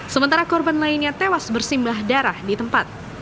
sementara korban lainnya tewas bersimbah darah di tempat